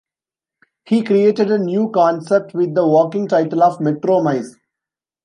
He created a new concept with the working title of "Metro Mice".